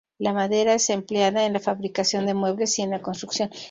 La madera es empleada en la fabricación de muebles y en la construcción.